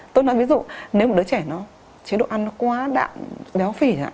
tôi nói ví dụ nếu một đứa trẻ chế độ ăn quá đạm béo phỉ